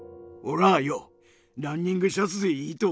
ランニングシャツでいいと思うべ。